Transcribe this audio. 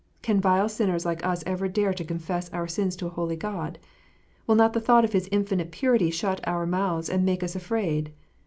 Can vile sinners like us ever dare to confess our sins to a holy God 1 Will not the thought of His infinite purity shut our mouths and make us afraid?